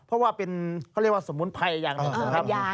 เพราะว่าเป็นเขาเรียกว่าสมุนไพรอย่างหนึ่งนะครับ